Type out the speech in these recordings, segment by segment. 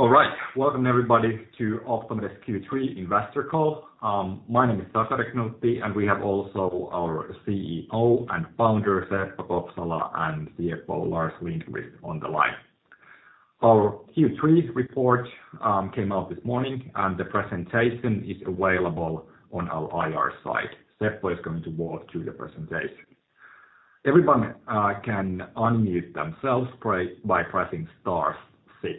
All right. Welcome everybody to Optomed's Q3 investor call. My name is Sakari Knuutti, and we have also our CEO and founder, Seppo Kopsala, and CFO, Lars Lindqvist on the line. Our Q3 report came out this morning, and the presentation is available on our IR site. Seppo is going to walk through the presentation. Everyone can unmute themselves by pressing star six.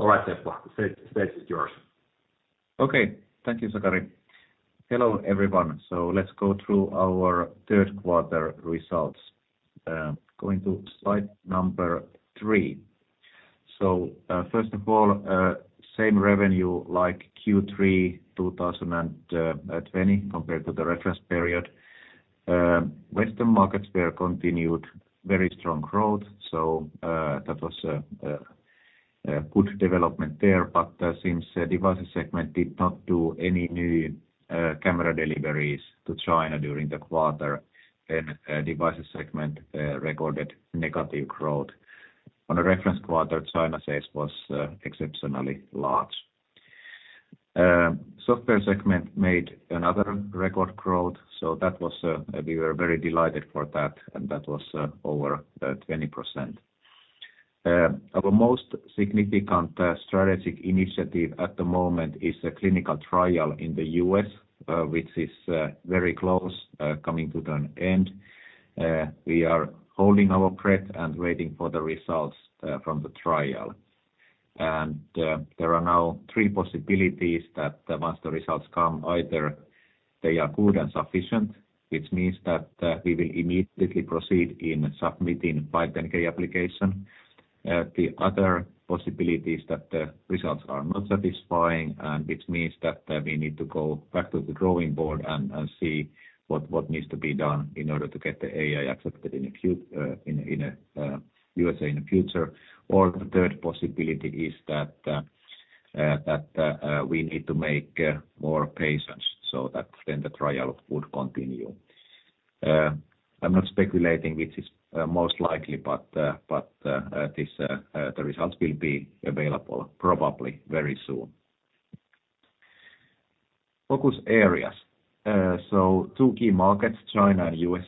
All right, Seppo. The stage is yours. Okay. Thank you, Sakari. Hello, everyone. Let's go through our Q3 results. Going to slide number three. First of all, same revenue like Q3 2020 compared to the reference period. Western markets there continued very strong growth, that was a good development there. Since Devices segment did not do any new camera deliveries to China during the quarter, Devices segment recorded negative growth. On a reference quarter, China sales was exceptionally large. Software segment made another record growth, that was, we were very delighted for that, and that was over 20%. Our most significant strategic initiative at the moment is a clinical trial in the U.S., which is very close coming to an end. We are holding our breath and waiting for the results from the trial. There are now three possibilities that once the results come, either they are good and sufficient, which means that we will immediately proceed in submitting 510(k) application. The other possibility is that the results are not satisfying, which means that we need to go back to the drawing board and see what needs to be done in order to get the AI accepted in the USA in the future. The third possibility is that we need to make more patients so that then the trial would continue. I'm not speculating which is most likely, but the results will be available probably very soon. Focus areas. Two key markets, China and U.S.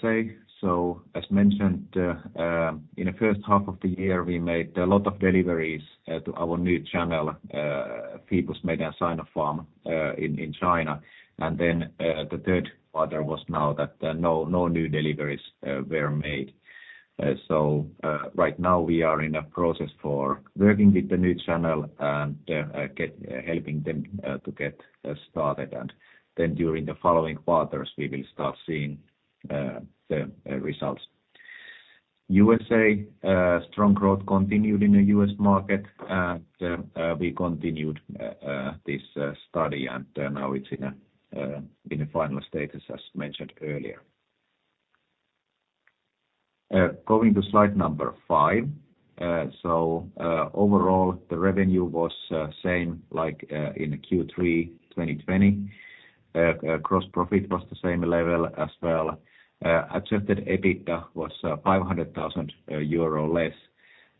As mentioned, in the first half of the year, we made a lot of deliveries to our new channel, People's Medicine Sinopharm, in China. The Q3 was now that no new deliveries were made. Right now we are in a process for working with the new channel and helping them to get started. During the following quarters, we will start seeing the results. U.S., strong growth continued in the U.S. market, and we continued this study, and now it's in a final status as mentioned earlier. Going to slide number five. Overall, the revenue was same as in Q3 2020. Gross profit was the same level as well. Adjusted EBITDA was 500,000 euro less.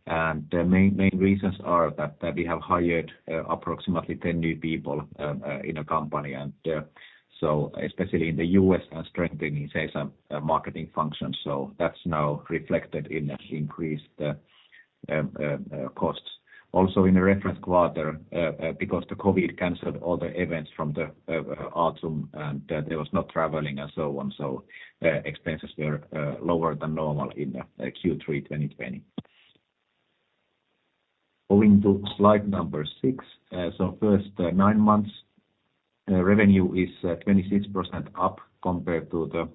The main reasons are that we have hired approximately 10 new people in the company, especially in the U.S. and strengthening sales and marketing functions. That's now reflected in increased costs. Expenses were lower than normal in Q3 2020 because the COVID canceled all the events from the autumn, and there was no traveling and so on. Going to slide number six. First nine months revenue is 26% up compared to the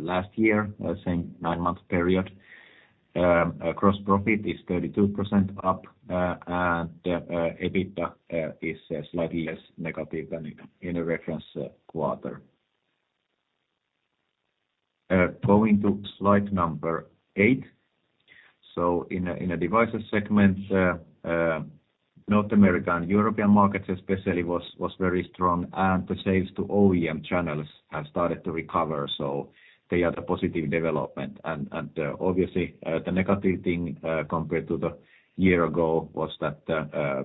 last year same nine-month period. Gross profit is 32% up. EBITDA is slightly less negative than in the reference quarter. Going to slide number eight. In the Devices segment, North America and European markets especially was very strong, and the sales to OEM channels have started to recover, so they are the positive development. Obviously, the negative thing compared to the year ago was that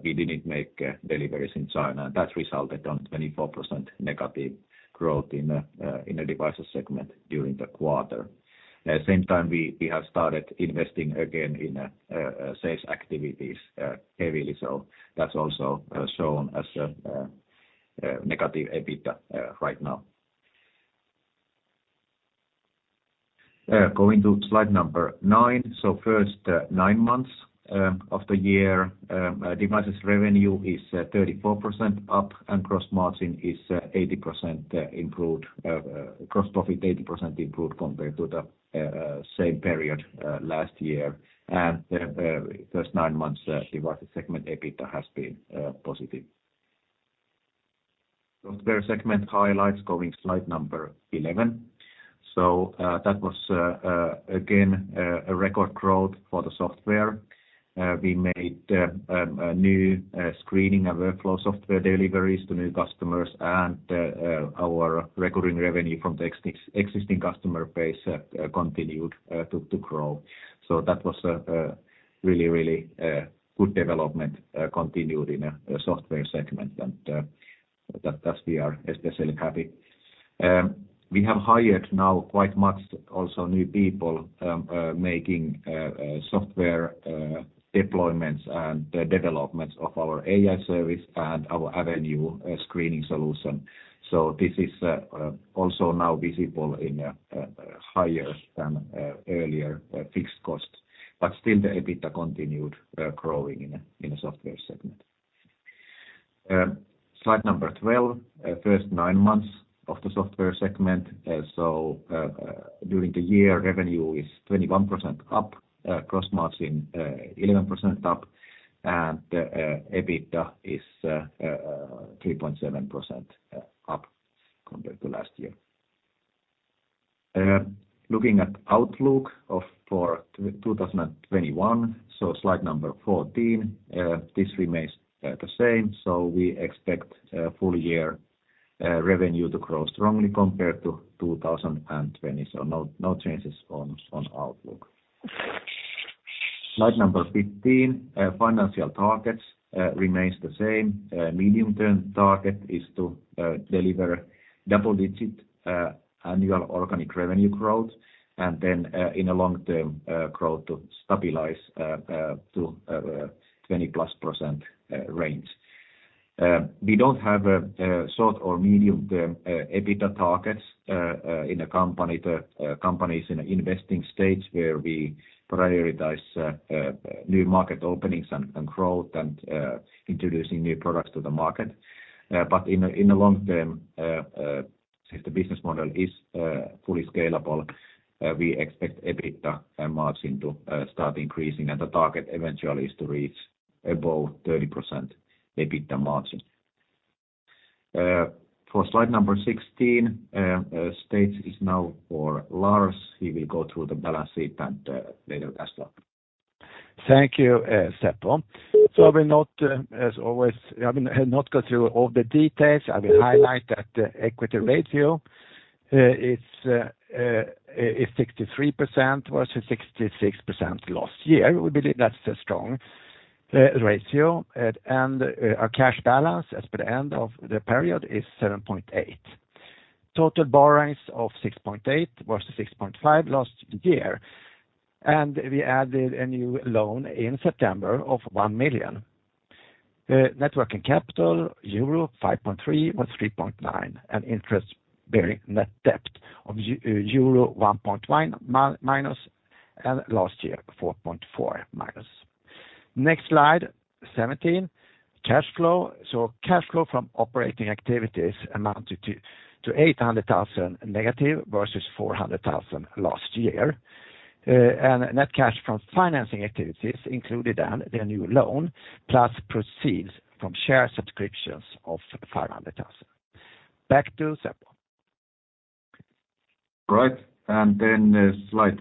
we didn't make deliveries in China, and that resulted in 24% negative growth in the Devices segment during the quarter. At the same time, we have started investing again in sales activities heavily. That's also shown as negative EBITDA right now. Going to slide number nine. First nine months of the year, Devices revenue is 34% up and gross margin is 80% improved, gross profit 80% improved compared to the same period last year. First nine months, Devices segment EBITDA has been positive. Software segment highlights, going slide number 11. That was again a record growth for the Software. We made new screening and workflow software deliveries to new customers, and our recurring revenue from the existing customer base continued to grow. That was really good development continued in Software segment. That we are especially happy. We have hired now quite much also new people, making software deployments and developments of our AI service and our Avenue screening solution. This is also now visible in a higher than earlier fixed cost. Still the EBITDA continued growing in a software segment. Slide number 12, first nine months of the software segment. During the year, revenue is 21% up, gross margin 11% up, and EBITDA is 3.7% up compared to last year. Looking at outlook for 2021, slide number 14. This remains the same. We expect full year revenue to grow strongly compared to 2020, so no changes on outlook. Slide number 15, financial targets remains the same. Medium-term target is to deliver double-digit annual organic revenue growth. In a long term, growth to stabilize to 20%+ range. We don't have short- or medium-term EBITDA targets, as the company is in an investing stage where we prioritize new market openings and growth and introducing new products to the market. In a long term, since the business model is fully scalable, we expect EBITDA margin to start increasing, and the target eventually is to reach above 30% EBITDA margin. For slide number 16, stage is now for Lars. He will go through the balance sheet and later cash flow. Thank you, Seppo. I will, as always, I mean, not go through all the details. I will highlight that the equity ratio, it's 63% versus 66% last year. We believe that's a strong ratio. Our cash balance as per the end of the period is 7.8. Total borrowings of 6.8 versus 6.5 last year. We added a new loan in September of 1 million. Net working capital euro 5.3 was 3.9, an interest-bearing net debt of euro -1.1 million, and last year -4.4 million. Next slide, 17, cash flow. Cash flow from operating activities amounted to -800 thousand versus -400 thousand last year. Net cash from financing activities included the new loan plus proceeds from share subscriptions of 500,000. Back to Seppo. Right. Slide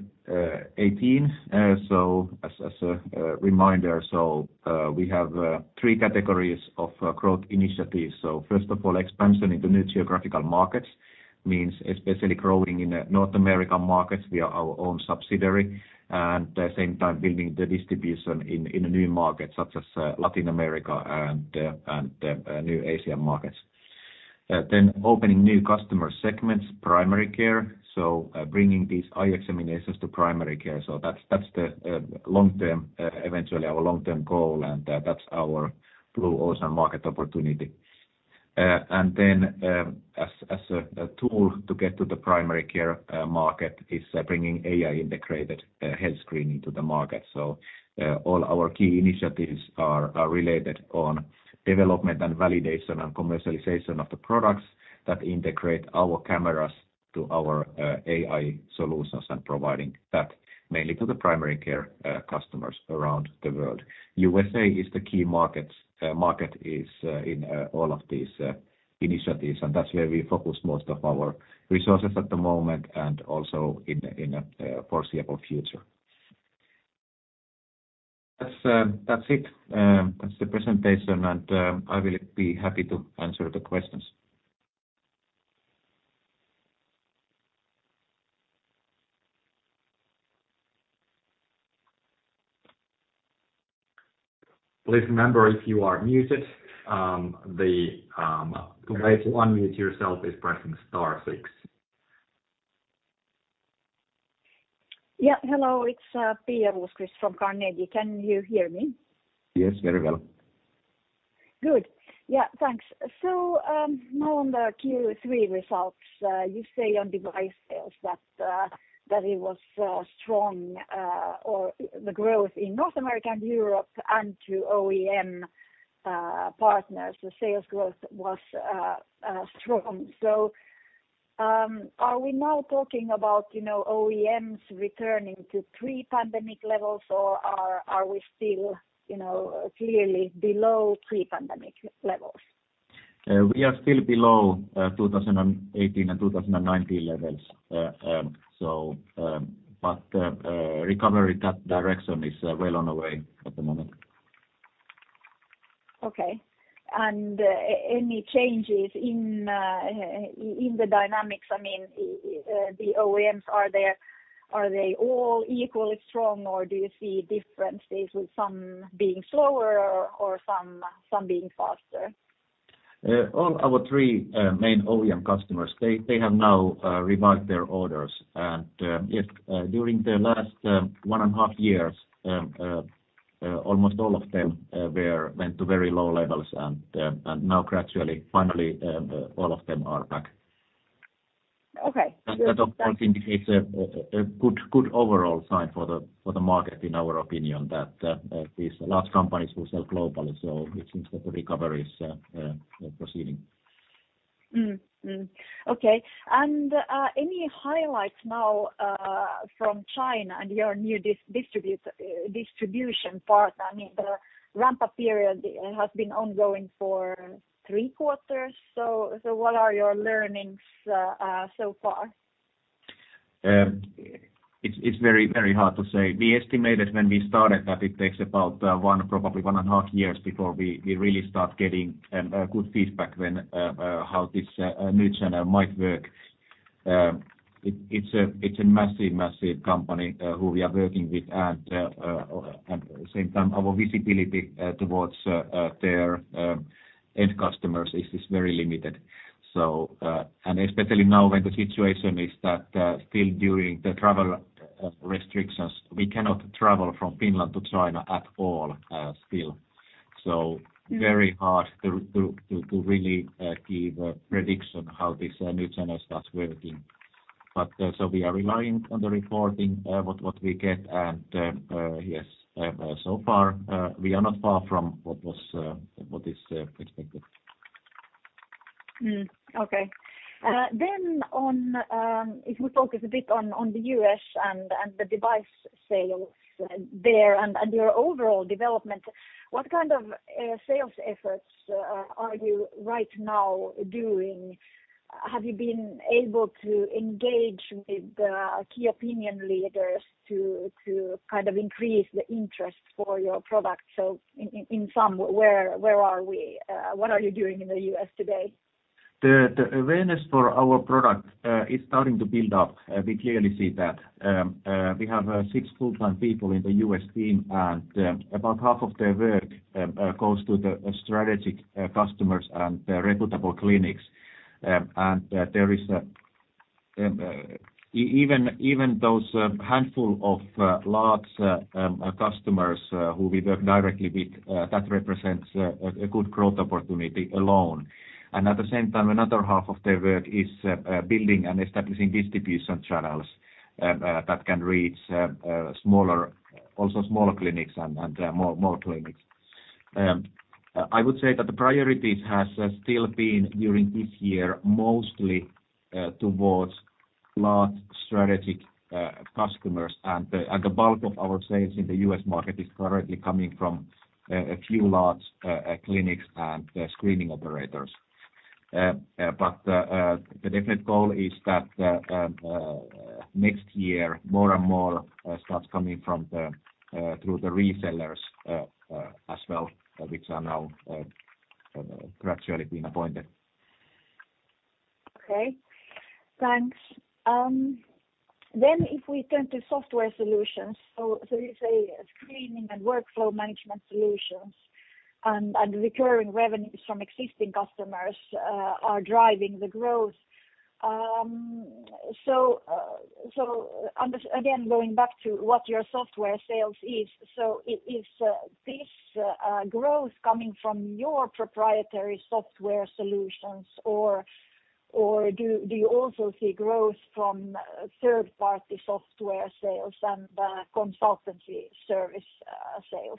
18. As a reminder, we have three categories of growth initiatives. First of all, expansion into new geographical markets means especially growing in North American markets via our own subsidiary. At the same time building the distribution in new markets such as Latin America and new Asian markets. Opening new customer segments, primary care, bringing these eye examinations to primary care. That's the long-term, eventually our long-term goal, and that's our blue ocean market opportunity. A tool to get to the primary care market is bringing AI-integrated health screening to the market. All our key initiatives are related on development and validation and commercialization of the products that integrate our cameras to our AI solutions and providing that mainly to the primary care customers around the world. USA is the key market in all of these initiatives, and that's where we focus most of our resources at the moment and also in the foreseeable future. That's it. That's the presentation, and I will be happy to answer the questions. Please remember, if you are muted, the way to unmute yourself is pressing star six. Yeah. Hello, it's Pia Rosqvist-Heinsalmi from Carnegie. Can you hear me? Yes, very well. Good. Yeah, thanks. Now on the Q3 results, you say on device sales that it was strong or the growth in North America and Europe and to OEM partners, the sales growth was strong. Are we now talking about, you know, OEMs returning to pre-pandemic levels, or are we still, you know, clearly below pre-pandemic levels? We are still below 2018 and 2019 levels. Recovery in that direction is well on the way at the moment. Okay. Any changes in the dynamics, I mean, the OEMs, are they all equally strong or do you see differences with some being slower or some being faster? All our three main OEM customers, they have now revived their orders. In the last one and half years, almost all of them went to very low levels and now gradually, finally, all of them are back. Okay. Good. That of course indicates a good overall sign for the market, in our opinion, that these large companies will sell globally. It seems that the recovery is proceeding. Okay. Any highlights now, from China and your new distribution part? I mean, the ramp-up period has been ongoing for three quarters. So what are your learnings so far? It's very hard to say. We estimated when we started that it takes about one, probably one and a half years before we really start getting good feedback on how this new channel might work. It's a massive company that we are working with. At the same time, our visibility towards their end customers is very limited. Especially now when the situation is that, still during the travel restrictions, we cannot travel from Finland to China at all, still. Very hard to really give a prediction on how this new channel starts working. We are relying on the reporting we get. So far, we are not far from what is expected. Okay. If we focus a bit on the U.S. and the device sales there and your overall development, what kind of sales efforts are you right now doing? Have you been able to engage with key opinion leaders to kind of increase the interest for your product? In sum, where are we? What are you doing in the U.S. today? The awareness for our product is starting to build up. We clearly see that. We have six full-time people in the U.S. team, and about half of their work goes to the strategic customers and the reputable clinics. There is even those handful of large customers who we work directly with that represents a good growth opportunity alone. At the same time, another half of their work is building and establishing distribution channels that can reach smaller clinics and more clinics. I would say that the priorities has still been, during this year, mostly towards large strategic customers. The bulk of our sales in the U.S. market is currently coming from a few large clinics and screening operators. The definite goal is that next year more and more starts coming through the resellers as well, which are now gradually being appointed. Okay. Thanks. If we turn to software solutions, you say screening and workflow management solutions and recurring revenues from existing customers are driving the growth. Again, going back to what your software sales is. Is this growth coming from your proprietary software solutions, or do you also see growth from third-party software sales and consultancy service sales?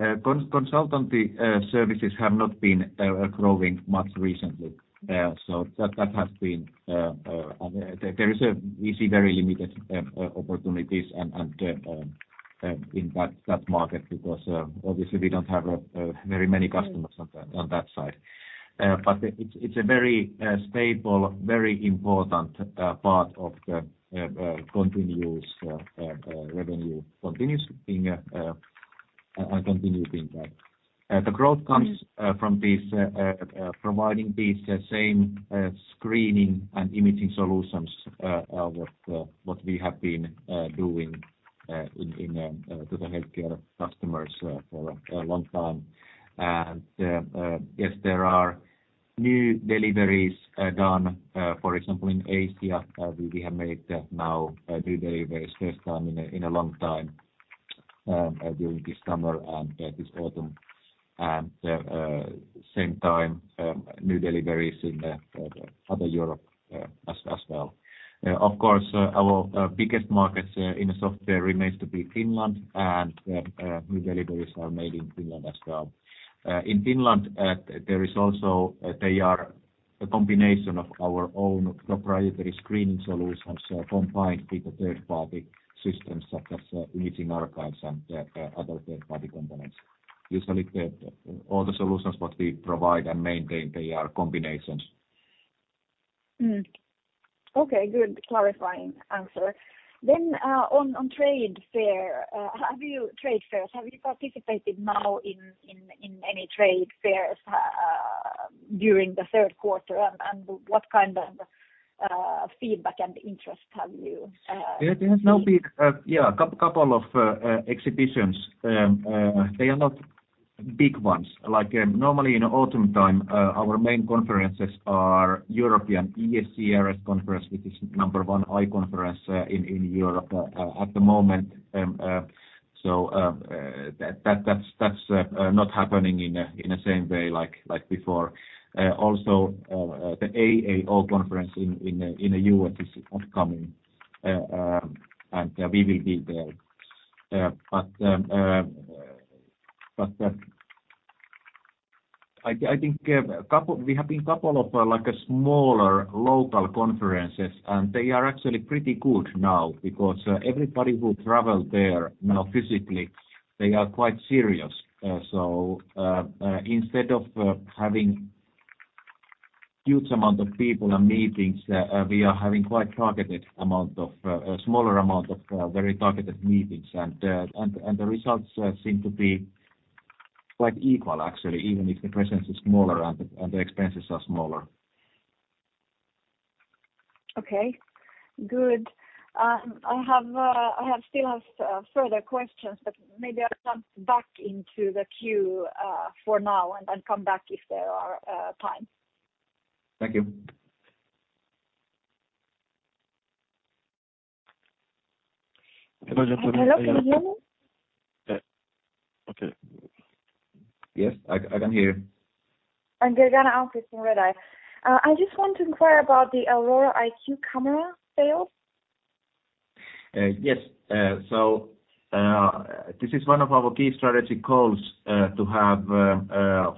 Consultancy services have not been growing much recently. That has been. We see very limited opportunities in that market because obviously we don't have very many customers on that side. But it's a very stable, very important part of the continuous revenue continues being and continuing that. The growth comes from this providing these same screening and imaging solutions what we have been doing into the healthcare customers for a long time. Yes, there are new deliveries done. For example, in Asia, we have made now three deliveries, first time in a long time, during this summer and this autumn. At the same time, new deliveries in other Europe, as well. Of course, our biggest markets in software remains to be Finland, and new deliveries are made in Finland as well. In Finland, they are a combination of our own proprietary screening solutions combined with the third-party systems such as imaging archives and other third-party components. Usually, all the solutions what we provide and maintain, they are combinations. Okay, good clarifying answer. On trade fairs, have you participated now in any trade fairs during the Q3 and what kind of feedback and interest have you seen? There is no big couple of exhibitions. They are not big ones. Like, normally in autumn time, our main conferences are European ESCRS Congress, which is number one eye conference in Europe at the moment. That's not happening in the same way like before. The AAO conference in the U.S. is upcoming. We will be there. I think we have been couple of like smaller local conferences, and they are actually pretty good now because everybody who travel there now physically, they are quite serious. Instead of having huge amount of people and meetings, we are having quite targeted amount of smaller amount of very targeted meetings. The results seem to be quite equal actually, even if the presence is smaller and the expenses are smaller. Okay. Good. I still have further questions, but maybe I'll jump back into the queue for now and I'll come back if there is time. Thank you. Hello, can you hear me? Okay. Yes. I can hear you. I'm Gergana from Redeye. I just want to inquire about the Aurora IQ camera sales. Yes. This is one of our key strategic goals to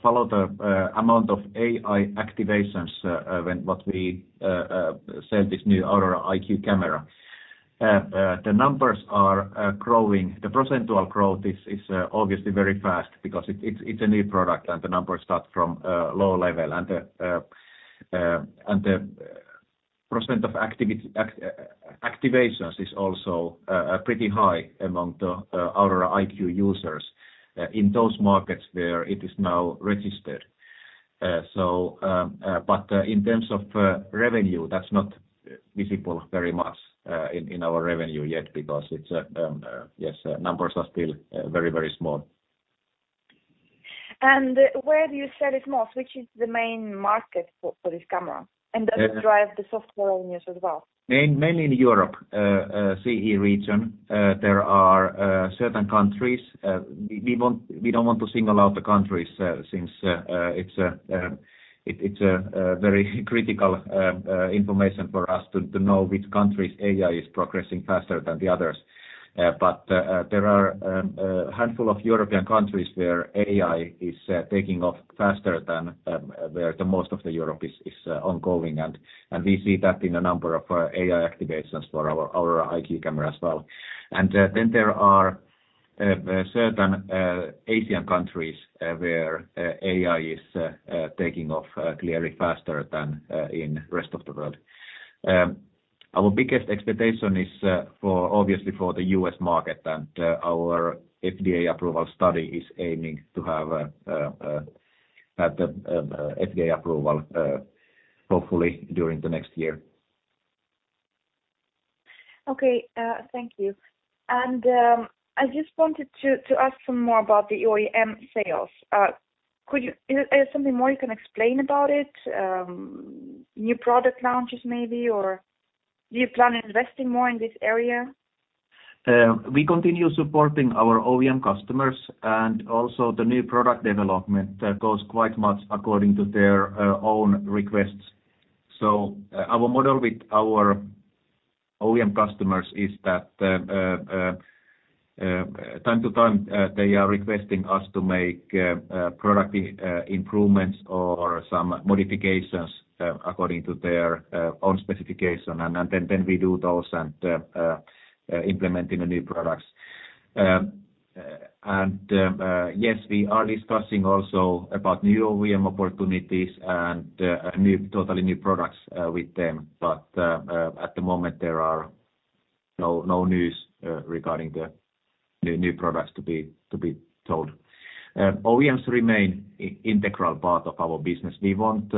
follow the amount of AI activations when we sell this new Aurora IQ camera. The numbers are growing. The percentage growth is obviously very fast because it's a new product and the numbers start from low level. The percentage of activations is also pretty high among the Aurora IQ users in those markets where it is now registered. But in terms of revenue, that's not visible very much in our revenue yet because numbers are still very small. Where do you sell it most? Which is the main market for this camera? Does it drive the software news as well? Mainly in Europe, CE region. There are certain countries. We don't want to single out the countries, since it's a very critical information for us to know which countries AI is progressing faster than the others. There are handful of European countries where AI is taking off faster than where the most of Europe is ongoing. We see that in a number of AI activations for our Aurora IQ camera as well. Then there are certain Asian countries where AI is taking off clearly faster than in rest of the world. Our biggest expectation is obviously for the U.S. market, and our FDA approval study is aiming to have the FDA approval hopefully during the next year. Okay, thank you. I just wanted to ask some more about the OEM sales. Is there something more you can explain about it? New product launches maybe, or do you plan on investing more in this area? We continue supporting our OEM customers and also the new product development that goes quite much according to their own requests. Our model with our OEM customers is that from time to time they are requesting us to make product improvements or some modifications according to their own specification. Then we do those and implement in the new products. We are discussing also about new OEM opportunities and new, totally new products with them. At the moment, there are no news regarding the new products to be told. OEMs remain integral part of our business. We want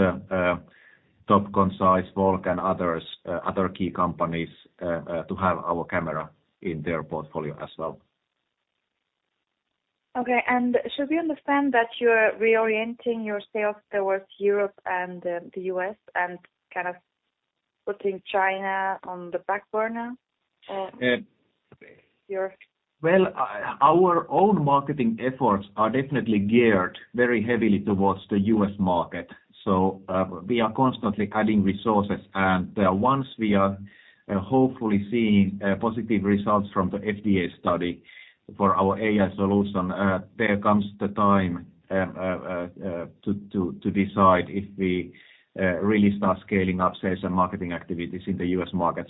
Topcon, ZEISS, Volk, and others, other key companies to have our camera in their portfolio as well. Okay. Should we understand that you are reorienting your sales towards Europe and the U.S. and kind of putting China on the back burner, uncertain? Well, our own marketing efforts are definitely geared very heavily towards the U.S. market, so we are constantly adding resources. Once we are hopefully seeing positive results from the FDA study for our AI solution, there comes the time to decide if we really start scaling up sales and marketing activities in the U.S. market.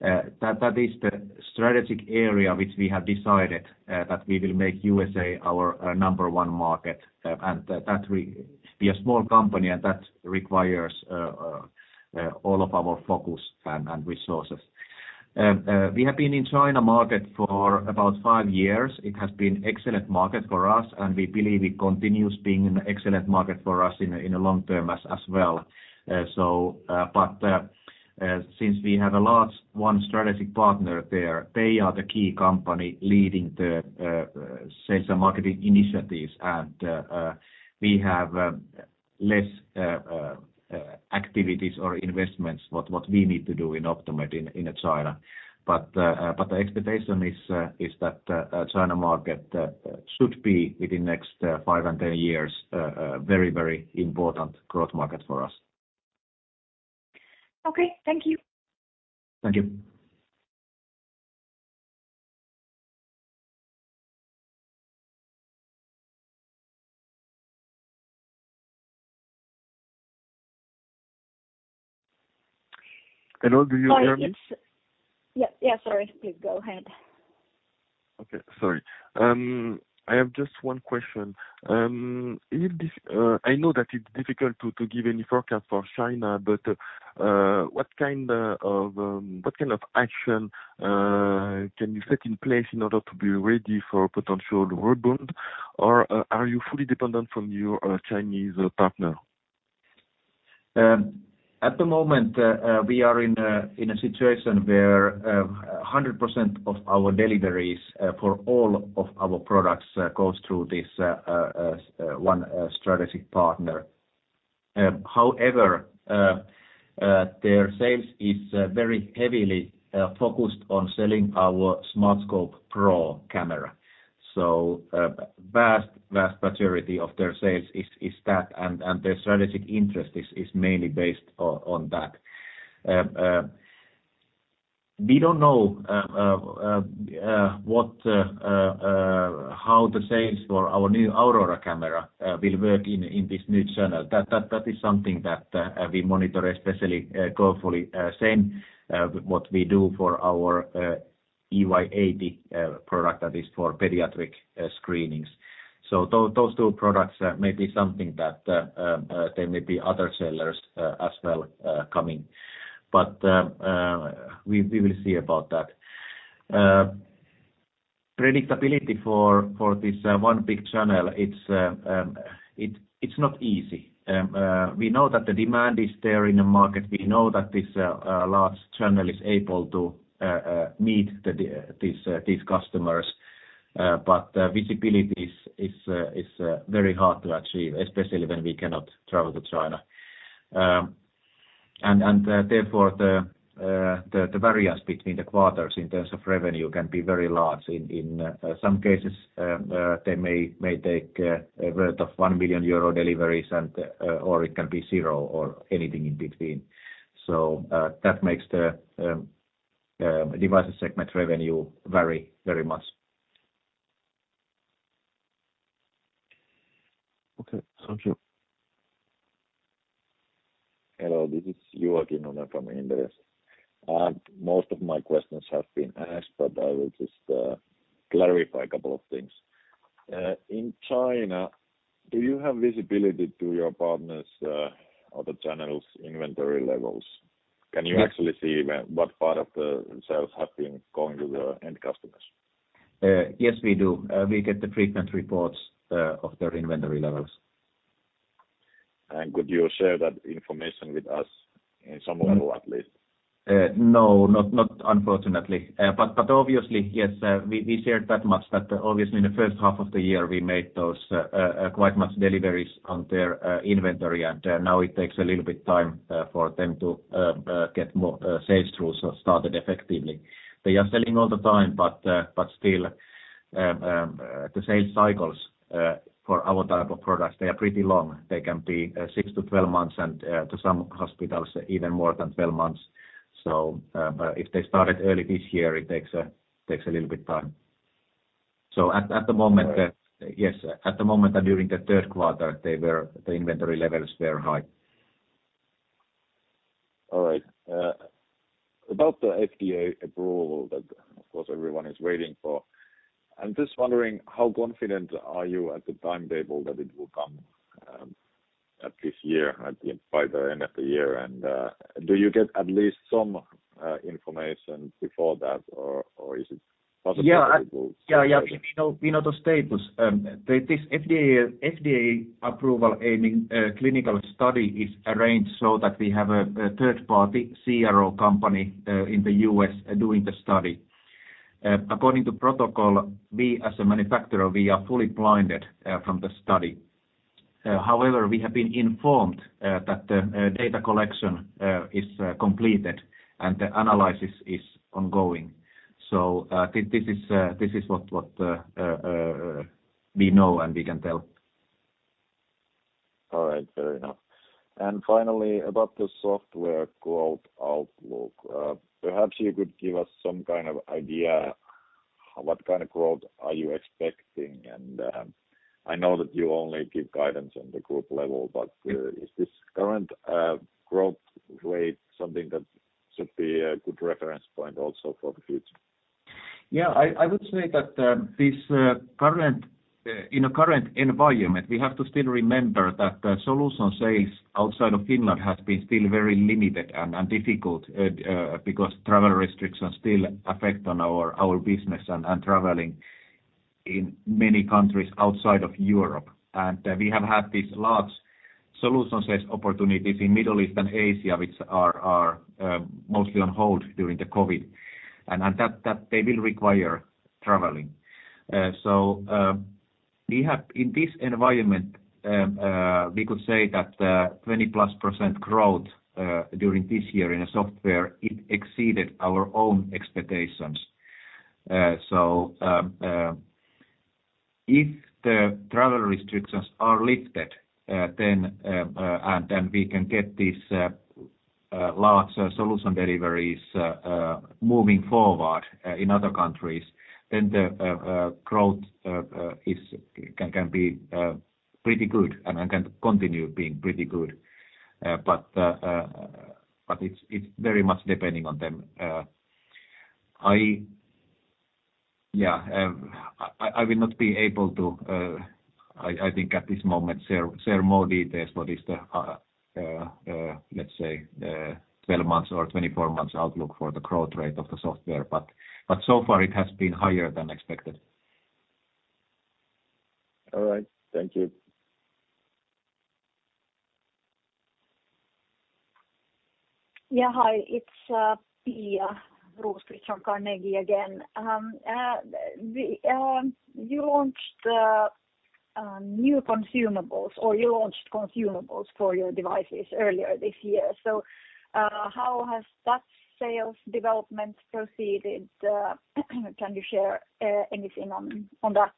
That is the strategic area which we have decided that we will make U.S. our number one market. We are a small company, and that requires all of our focus and resources. We have been in China market for about five years. It has been excellent market for us, and we believe it continues being an excellent market for us in the long term as well. Since we have a large strategic partner there, they are the key company leading the sales and marketing initiatives. We have less activities or investments what we need to do in Optomed in China. The expectation is that the China market should be within the next 5 and 10 years very important growth market for us. Okay. Thank you. Thank you. Hello, do you hear me? Oh, yes. Yeah, yeah, sorry. Please go ahead. Okay. Sorry. I have just one question. I know that it's difficult to give any forecast for China, but what kind of action can you set in place in order to be ready for potential rebound? Or are you fully dependent from your Chinese partner? At the moment, we are in a situation where 100% of our deliveries for all of our products goes through this one strategic partner. However, their sales is very heavily focused on selling our Smartscope PRO camera. Vast majority of their sales is that, and their strategic interest is mainly based on that. We don't know how the sales for our new Aurora camera will work in this new channel. That is something that we monitor especially carefully. We do the same for our EY80 product that is for pediatric screenings. Those two products may be something that there may be other sellers as well coming. We will see about that. Predictability for this one big channel, it's not easy. We know that the demand is there in the market. We know that this large channel is able to meet these customers. Visibility is very hard to achieve, especially when we cannot travel to China. Therefore, the variance between the quarters in terms of revenue can be very large. In some cases, they may take deliveries worth 1 million euro or it can be 0 or anything in between. That makes the devices segment revenue vary very much. Okay. Thank you. Hello, this is Joakim Nyman from Inderes. Most of my questions have been asked, but I will just clarify a couple of things. In China, do you have visibility to your partners', other channels' inventory levels? Can you actually see what part of the sales have been going to the end customers? Yes, we do. We get the frequent reports of their inventory levels. Could you share that information with us in some level at least? No, not unfortunately. Obviously, yes, we shared that much that obviously in the first half of the year, we made those quite much deliveries on their inventory. Now it takes a little bit time for them to get more sales tools started effectively. They are selling all the time, but still, the sales cycles for our type of products, they are pretty long. They can be 6-12 months, and to some hospitals, even more than 12 months. If they started early this year, it takes a little bit time. At the moment- All right. Yes, at the moment and during the Q3, the inventory levels were high. All right. About the FDA approval that, of course, everyone is waiting for, I'm just wondering how confident are you in the timetable that it will come in this year, by the end of the year? Do you get at least some information before that or is it possible to go- Yeah. Yeah, yeah. We know the status. This FDA approval aiming clinical study is arranged so that we have a third party CRO company in the U.S. doing the study. According to protocol, we as a manufacturer are fully blinded from the study. However, we have been informed that the data collection is completed and the analysis is ongoing. This is what we know and we can tell. All right. Fair enough. Finally, about the software growth outlook, perhaps you could give us some kind of idea what kind of growth are you expecting? I know that you only give guidance on the group level, but is this current growth rate something that should be a good reference point also for the future? Yeah, I would say that in a current environment, we have to still remember that the solution sales outside of Finland has been still very limited and difficult because travel restrictions still affect our business and traveling in many countries outside of Europe. We have had these large solution sales opportunities in Middle East and Asia, which are mostly on hold during the COVID, and that they will require traveling. In this environment, we could say that 20+% growth during this year in the software exceeded our own expectations. If the travel restrictions are lifted, then we can get these large solution deliveries moving forward in other countries, then the growth can be pretty good and can continue being pretty good. It's very much depending on them. I will not be able to, I think at this moment, share more details for this, let's say, the 12 months or 24 months outlook for the growth rate of the software. So far it has been higher than expected. All right. Thank you. Yeah. Hi, it's Pia Rosqvist-Heinsalmi from Carnegie again. You launched consumables for your devices earlier this year. How has that sales development proceeded? Can you share anything on that?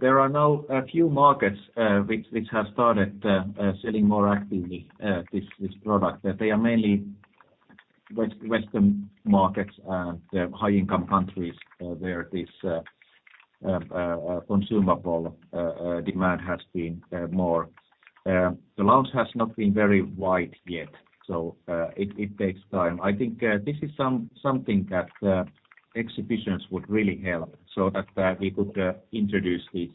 There are now a few markets which have started selling more actively this product. They are mainly western markets, the high-income countries, where this consumable demand has been more. The launch has not been very wide yet, so it takes time. I think this is something that exhibitions would really help so that we could introduce this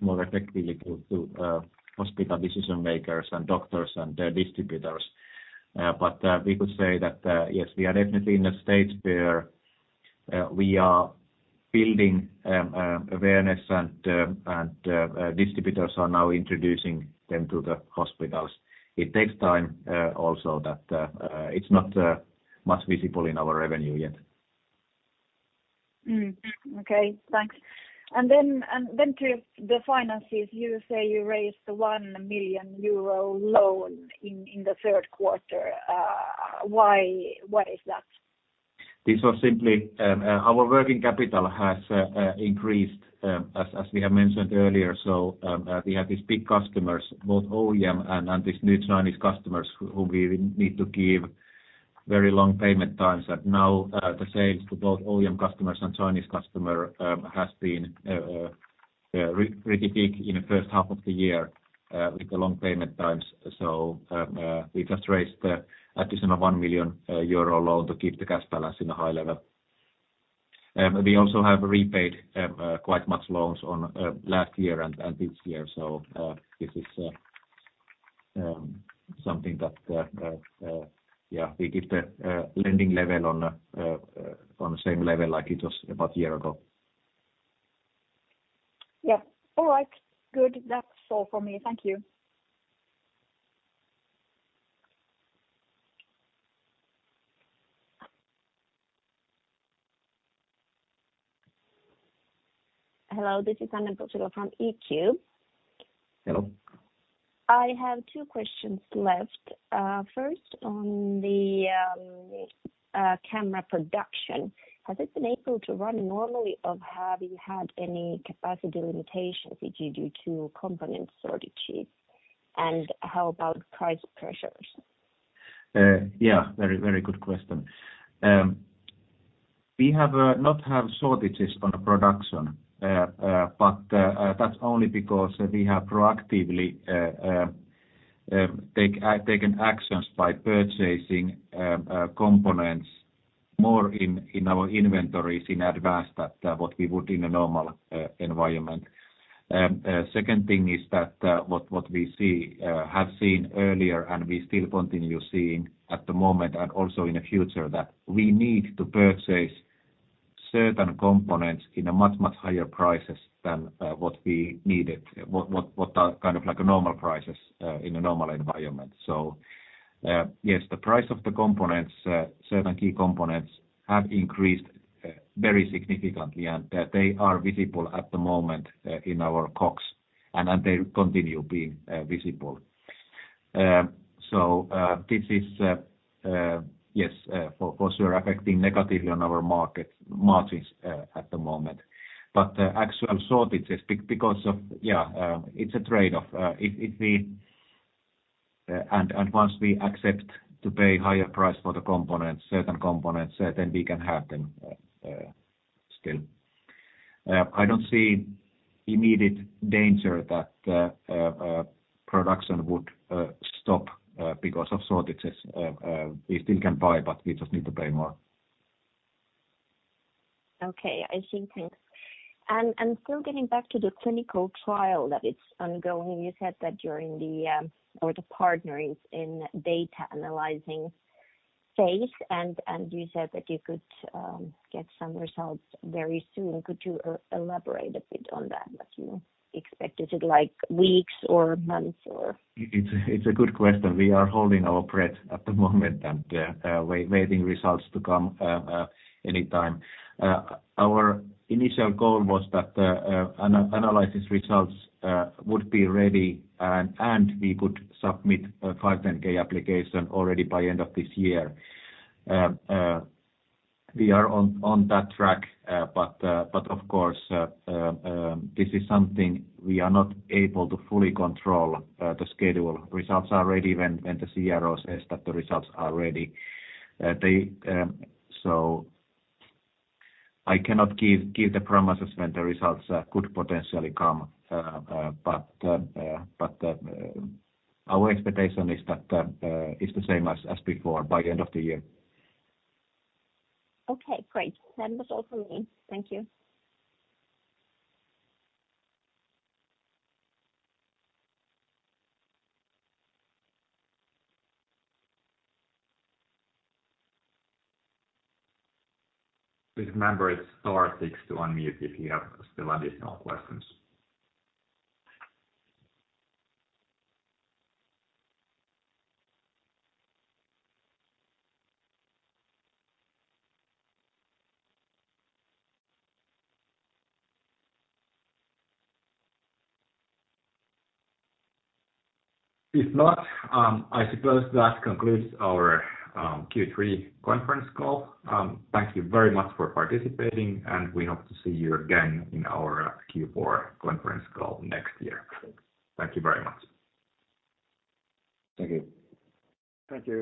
more effectively to hospital decision makers and doctors and their distributors. We could say that yes, we are definitely in a state where we are building awareness and distributors are now introducing them to the hospitals. It takes time also that it's not much visible in our revenue yet. Okay. Thanks. To the finances. You say you raised 1 million euro loan in the Q3. Why? What is that? This was simply our working capital has increased as we have mentioned earlier. We have these big customers, both OEM and these new Chinese customers who we need to give very long payment times. Now the sales to both OEM customers and Chinese customer has been really big in the first half of the year with the long payment times. We just raised additional 1 million euro loan to keep the cash balance in a high level. We also have repaid quite much loans on last year and this year. This is something that yeah we keep the lending level on the same level like it was about a year ago. Yeah. All right. Good. That's all for me. Thank you. Hello, this is Anne Posio from eQ. Hello. I have two questions left. First, on the camera production, has it been able to run normally, or have you had any capacity limitations due to component shortages? How about price pressures? Yeah, very good question. We have no shortages in production, but that's only because we have proactively taken actions by purchasing more components into our inventories in advance than what we would in a normal environment. Second thing is that what we have seen earlier and we still continue seeing at the moment and also in the future is that we need to purchase certain components at much higher prices than what we needed, what are kind of like normal prices in a normal environment. Yes, the price of the components, certain key components have increased very significantly, and they are visible at the moment in our COGS, and they continue being visible. This is for sure affecting negatively on our market margins at the moment. Actual shortages. It's a trade-off. If we and once we accept to pay higher price for the components, certain components, then we can have them still. I don't see immediate danger that production would stop because of shortages. We still can buy, but we just need to pay more. Okay. I see. Thanks. Still getting back to the clinical trial that is ongoing, you said that during the or the partnering in data analyzing phase, and you said that you could get some results very soon. Could you elaborate a bit on that, what you expect? Is it like weeks or months or? It's a good question. We are holding our breath at the moment and waiting for results to come anytime. Our initial goal was that analysis results would be ready and we could submit a 510(k) application already by end of this year. We are on that track, but of course this is something we are not able to fully control, the schedule. Results are ready when the CRO says that the results are ready. I cannot give promises when the results could potentially come, but our expectation is that it's the same as before, by the end of the year. Okay, great. That was all for me. Thank you. Please remember it's star six to unmute if you have still additional questions. If not, I suppose that concludes our Q3 conference call. Thank you very much for participating, and we hope to see you again in our Q4 conference call next year. Thank you very much. Thank you. Thank you.